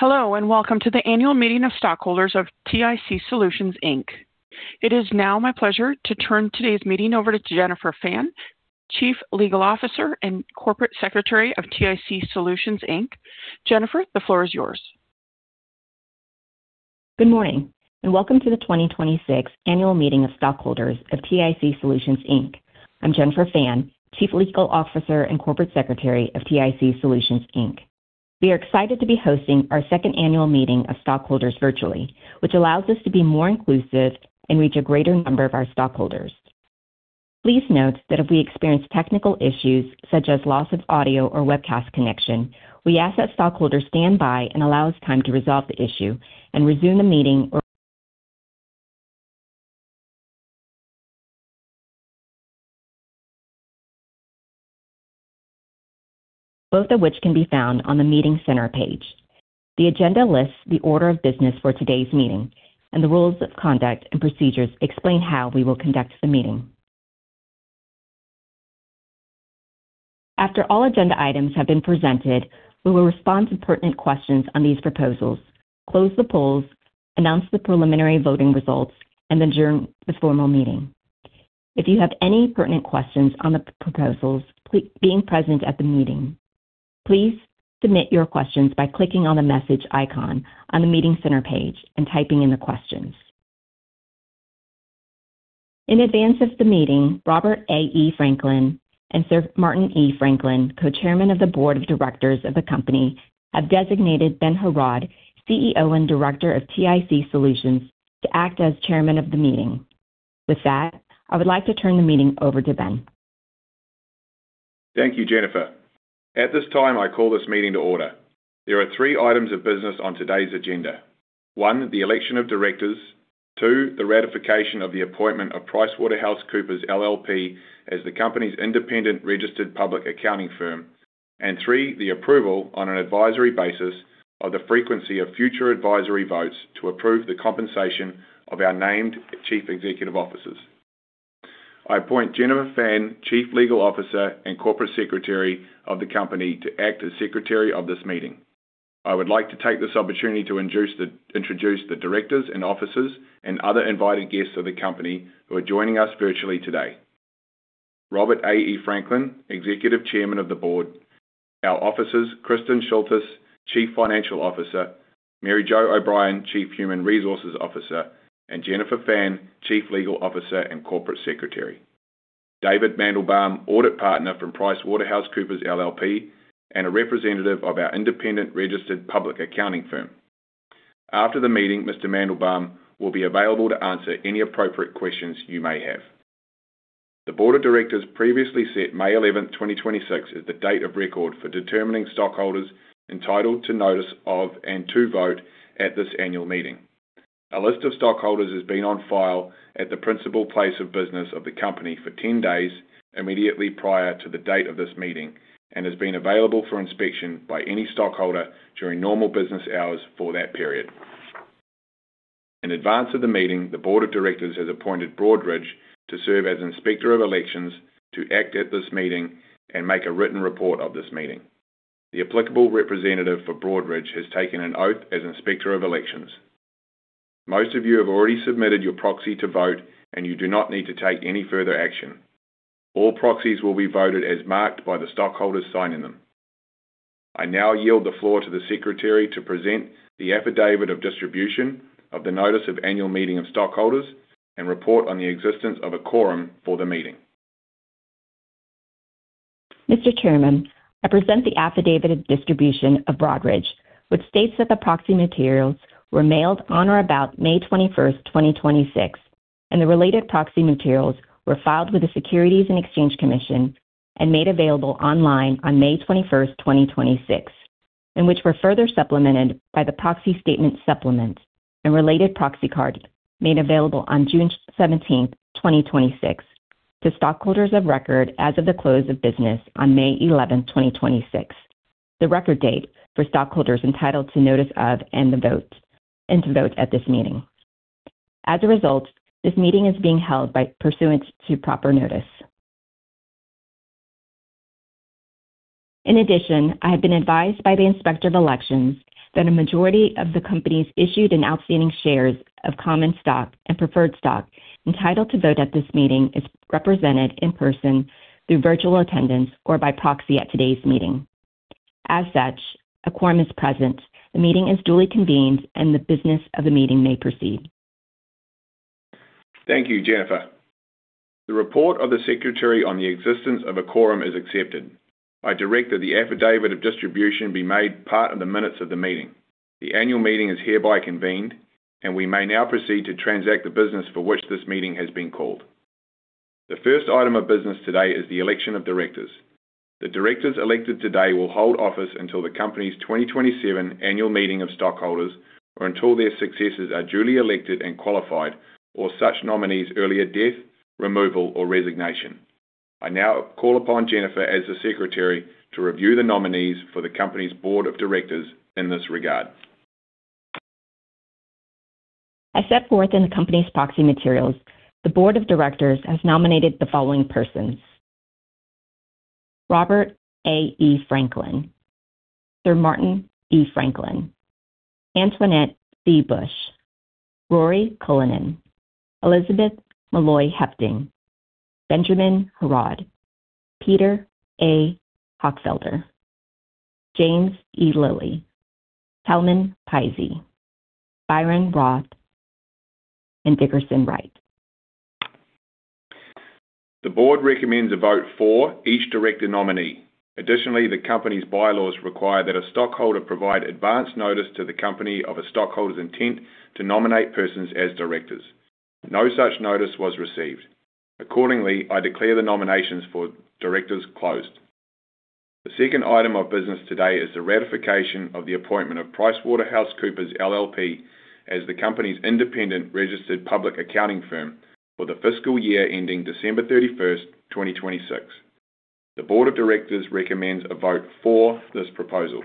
Hello, and welcome to the Annual Meeting of Stockholders of TIC Solutions, Inc. It is now my pleasure to turn today's meeting over to Jennifer Phan, Chief Legal Officer and Corporate Secretary of TIC Solutions, Inc. Jennifer, the floor is yours. Good morning, and welcome to the 2026 Annual Meeting of stockholders of TIC Solutions, Inc. I'm Jennifer Phan, Chief Legal Officer and Corporate Secretary of TIC Solutions, Inc. We are excited to be hosting our second annual meeting of stockholders virtually, which allows us to be more inclusive and reach a greater number of our stockholders. Please note that if we experience technical issues such as loss of audio or webcast connection, we ask that stockholders stand by and allow us time to resolve the issue and resume the meeting or both of which can be found on the meeting center page. The agenda lists the order of business for today's meeting, and the rules of conduct and procedures explain how we will conduct the meeting. After all agenda items have been presented, we will respond to pertinent questions on these proposals, close the polls, announce the preliminary voting results, and adjourn the formal meeting. If you have any pertinent questions on the proposals, being present at the meeting, please submit your questions by clicking on the message icon on the meeting center page and typing in the questions. In advance of the meeting, Robert A. E. Franklin and Sir Martin E. Franklin, Co-Chairman of the Board of Directors of the company, have designated Ben Heraud, CEO and Director of TIC Solutions, to act as Chairman of the meeting. I would like to turn the meeting over to Ben. Thank you, Jennifer Phan. At this time, I call this meeting to order. There are three items of business on today's agenda. One, the election of directors. Two, the ratification of the appointment of PricewaterhouseCoopers LLP as the company's independent registered public accounting firm. Three, the approval on an advisory basis of the frequency of future advisory votes to approve the compensation of our named Chief Executive Officers. I appoint Jennifer Phan, Chief Legal Officer and Corporate Secretary of the company, to act as Secretary of this meeting. I would like to take this opportunity to introduce the Directors and Officers and other invited guests of the company who are joining us virtually today. Robert A. E. Franklin, Executive Chairman of the Board. Our Officers, Kristin Schultes, Chief Financial Officer, Mary O'Brien, Chief Human Resources Officer, and Jennifer Phan, Chief Legal Officer and Corporate Secretary. David Mandelbaum, Audit Partner from PricewaterhouseCoopers LLP, and a representative of our independent registered public accounting firm. After the meeting, Mr. Mandelbaum will be available to answer any appropriate questions you may have. The board of directors previously set May 11th, 2026, as the date of record for determining stockholders entitled to notice of and to vote at this annual meeting. A list of stockholders has been on file at the principal place of business of the company for 10 days immediately prior to the date of this meeting and has been available for inspection by any stockholder during normal business hours for that period. In advance of the meeting, the board of directors has appointed Broadridge to serve as Inspector of Elections to act at this meeting and make a written report of this meeting. The applicable representative for Broadridge has taken an oath as Inspector of Elections. Most of you have already submitted your proxy to vote. You do not need to take any further action. All proxies will be voted as marked by the stockholders signing them. I now yield the floor to the Secretary to present the affidavit of distribution of the notice of annual meeting of stockholders and report on the existence of a quorum for the meeting. Mr. Chairman, I present the affidavit of distribution of Broadridge, which states that the proxy materials were mailed on or about May 21st, 2026. The related proxy materials were filed with the Securities and Exchange Commission and made available online on May 21st, 2026. Which were further supplemented by the proxy statement supplement and related proxy card made available on June 17th, 2026, to stockholders of record as of the close of business on May 11th, 2026, the record date for stockholders entitled to notice of and to vote at this meeting. As a result, this meeting is being held by pursuant to proper notice. In addition, I have been advised by the Inspector of Elections that a majority of the company's issued and outstanding shares of common stock and preferred stock entitled to vote at this meeting is represented in person through virtual attendance or by proxy at today's meeting. As such, a quorum is present, the meeting is duly convened. The business of the meeting may proceed. Thank you, Jennifer. The report of the Secretary on the existence of a quorum is accepted. I direct that the affidavit of distribution be made part of the minutes of the meeting. The annual meeting is hereby convened, and we may now proceed to transact the business for which this meeting has been called. The first item of business today is the election of directors. The directors elected today will hold office until the company's 2027 annual meeting of stockholders or until their successors are duly elected and qualified, or such nominees' earlier death, removal, or resignation. I now call upon Jennifer as the Secretary to review the nominees for the company's Board of Directors in this regard As set forth in the company's proxy materials, the Board of Directors has nominated the following persons: Robert A. E. Franklin, Sir Martin E. Franklin, Antoinette C. Bush, Rory Cullinan, Elizabeth Meloy Hepding, Benjamin Heraud, Peter A. Hochfelder, James E. Lillie, Talman Pizzey, Byron Roth, and Dickerson Wright. The Board recommends a vote for each director nominee. Additionally, the company's bylaws require that a stockholder provide advance notice to the company of a stockholder's intent to nominate persons as directors. No such notice was received. Accordingly, I declare the nominations for directors closed. The second item of business today is the ratification of the appointment of PricewaterhouseCoopers LLP as the company's independent registered public accounting firm for the fiscal year ending December 31st, 2026. The Board of Directors recommends a vote for this proposal.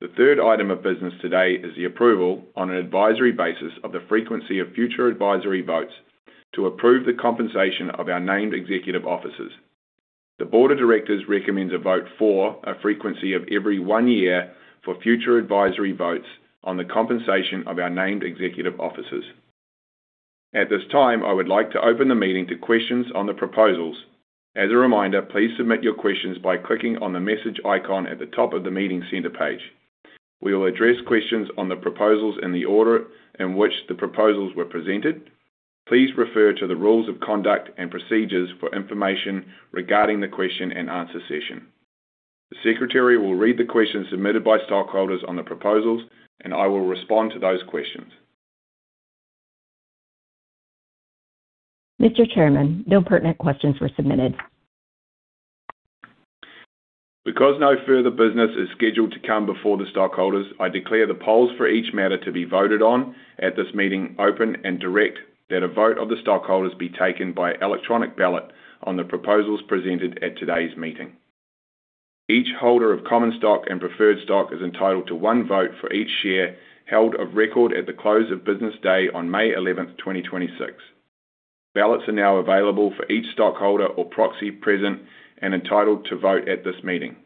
The third item of business today is the approval on an advisory basis of the frequency of future advisory votes to approve the compensation of our named executive officers. The Board of Directors recommends a vote for a frequency of every one year for future advisory votes on the compensation of our named executive officers. At this time, I would like to open the meeting to questions on the proposals. As a reminder, please submit your questions by clicking on the message icon at the top of the meeting center page. We will address questions on the proposals in the order in which the proposals were presented. The Secretary will read the questions submitted by stockholders on the proposals, and I will respond to those questions. Mr. Chairman, no pertinent questions were submitted. Because no further business is scheduled to come before the stockholders, I declare the polls for each matter to be voted on at this meeting open and direct that a vote of the stockholders be taken by electronic ballot on the proposals presented at today's meeting. Each holder of common stock and preferred stock is entitled to one vote for each share held of record at the close of business day on May 11th, 2026. Ballots are now available for each stockholder or proxy present and entitled to vote at this meeting.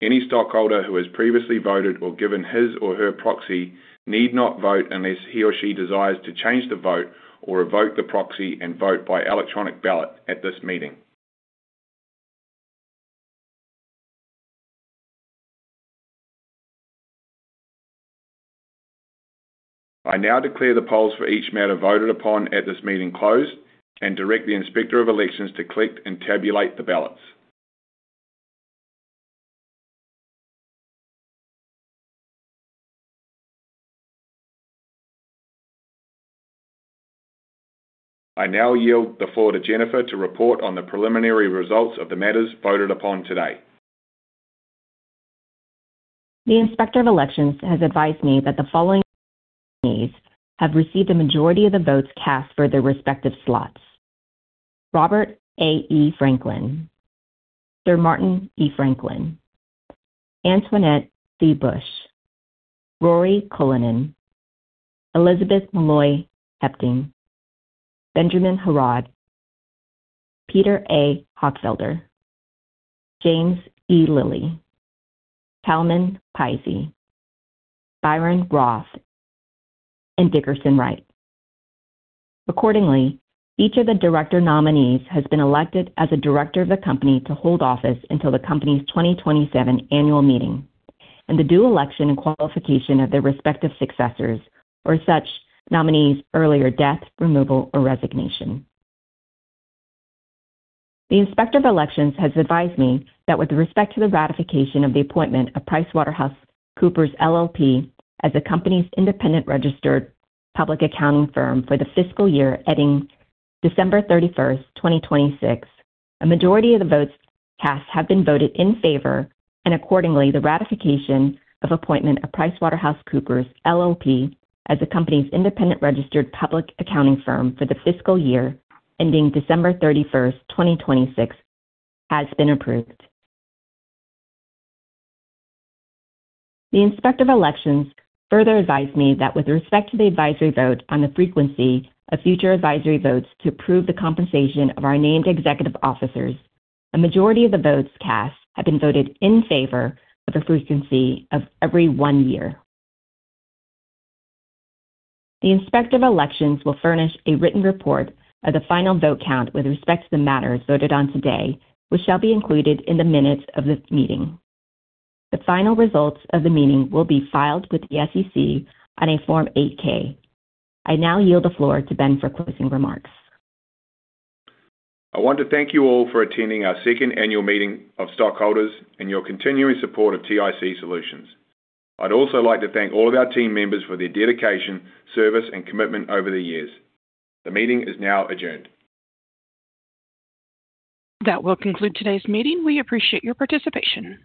Any stockholder who has previously voted or given his or her proxy need not vote unless he or she desires to change the vote or revoke the proxy and vote by electronic ballot at this meeting. I now declare the polls for each matter voted upon at this meeting closed and direct the Inspector of Elections to collect and tabulate the ballots. I now yield the floor to Jennifer to report on the preliminary results of the matters voted upon today. The Inspector of Elections has advised me that the following nominees have received a majority of the votes cast for their respective slots. Robert A. E. Franklin, Sir Martin E. Franklin, Antoinette C. Bush, Rory Cullinan, Elizabeth Meloy Hepding, Benjamin Heraud, Peter A. Hochfelder, James E. Lillie, Talman Pizzey, Byron Roth, and Dickerson Wright. Accordingly, each of the director nominees has been elected as a director of the company to hold office until the company's 2027 annual meeting and the due election and qualification of their respective successors or such nominees' earlier death, removal, or resignation. The Inspector of Elections has advised me that with respect to the ratification of the appointment of PricewaterhouseCoopers, LLP as the company's independent registered public accounting firm for the fiscal year ending December 31st, 2026, a majority of the votes cast have been voted in favor, and accordingly, the ratification of appointment of PricewaterhouseCoopers, LLP as the company's independent registered public accounting firm for the fiscal year ending December 31st, 2026, has been approved. The Inspector of Elections further advised me that with respect to the advisory vote on the frequency of future advisory votes to approve the compensation of our named executive officers, a majority of the votes cast have been voted in favor of the frequency of every one year. The Inspector of Elections will furnish a written report of the final vote count with respect to the matters voted on today, which shall be included in the minutes of this meeting. The final results of the meeting will be filed with the SEC on a Form 8-K. I now yield the floor to Ben for closing remarks. I want to thank you all for attending our second annual meeting of stockholders and your continuing support of TIC Solutions. I'd also like to thank all of our team members for their dedication, service, and commitment over the years. The meeting is now adjourned. That will conclude today's meeting. We appreciate your participation.